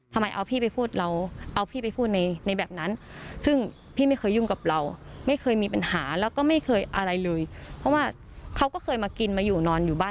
ทำไมเอาพี่ไปพูดเราเอาพี่ไปพูดในในแบบนั้นซึ่งพี่ไม่เคยยุ่งกับเราไม่เคยมีปัญหาแล้วก็ไม่เคยอะไรเลยเพราะว่าเขาก็เคยมากินมาอยู่นอนอยู่บ้าน